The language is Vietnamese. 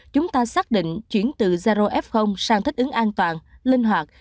chúng ta xác định chuyển từ zaro f sang thích ứng an toàn linh hoạt